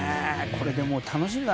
これでもう楽しみだ。